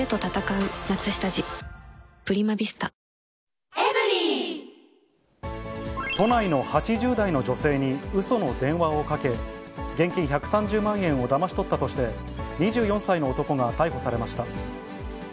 三井アウトレットパーク三井不動産グループ都内の８０代の女性にうその電話をかけ、現金１３０万円をだまし取ったとして、２４歳の男が逮捕されました。